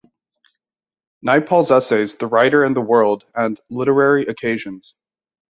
Naipaul's essays, "The Writer and the World" and "Literary Occasions".